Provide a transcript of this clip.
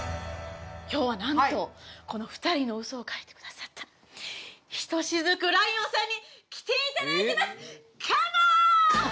今日はなんとこの「二人の嘘」を書いてくださった一雫ライオンさんに来ていただいていますカモン！